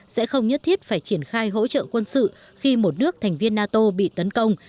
sẽ không nhất thiết phải triển khai hỗ trợ quân sự khi một nước thành viên nato bị tấn công